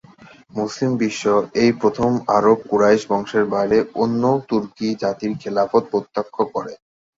মুসলিম বিশ্ব এই প্রথম আরব কুরাইশ বংশের বাইরে অন্য তুর্কি জাতির খেলাফত প্রত্যক্ষ করে।